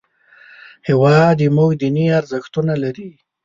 هېواد زموږ دیني ارزښتونه لري